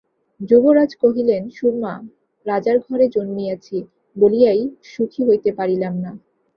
যুবরাজ কহিলেন, সুরমা, রাজার ঘরে জন্মিয়াছি বলিয়াই সুখী হইতে পারিলাম না।